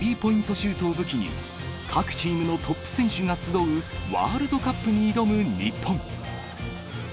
シュートを武器に、各チームのトップ選手が集うワールドカップに挑む日本。